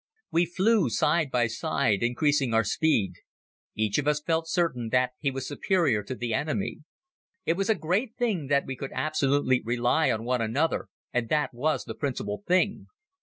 We flew side by side increasing our speed. Each of us felt certain that he was superior to the enemy. It was a great thing that we could absolutely rely on one another and that was the principal thing.